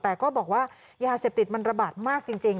แต่ก็บอกว่ายาเสพติดมันระบาดมากจริง